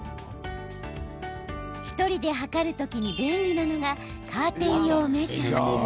１人で測る時に便利なのがカーテン用メジャー。